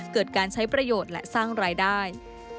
เกิดการใช้ประโยชน์และสร้างรายได้